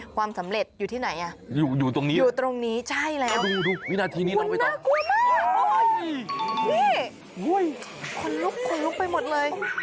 ความสำเร็จอยู่ที่ไหนอยู่ตรงนี้ใช่แล้วหน้ากลัวมากนี่คนลุกไปหมดเลย